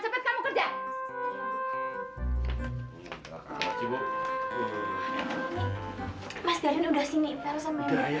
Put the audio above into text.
kasih buku dia aja